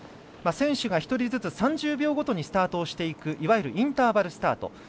選手が１人ずつ３０秒ごとにスタートをしていくいわゆるインターバルスタート。